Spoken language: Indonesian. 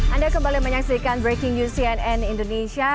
anda kembali menyaksikan breaking news cnn indonesia